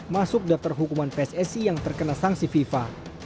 masuk daftar hukuman pssi yang terkena sanksi fifa